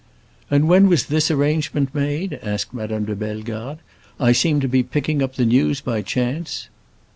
"And when was this arrangement made?" asked Madame de Bellegarde. "I seem to be picking up the news by chance!"